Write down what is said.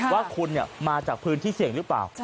ว่าคุณมาจากพื้นที่เสี่ยงหรือเปล่า